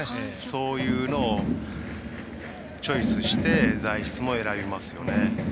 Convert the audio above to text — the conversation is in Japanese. そういうのをチョイスして材質も選びますよね。